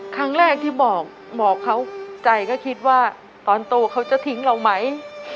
ครั้งแรกที่บอกบอกเขาใจก็คิดว่าตอนโตเขาจะทิ้งเราไหม